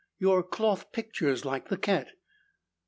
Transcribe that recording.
"Your cloth pictures, like the cat."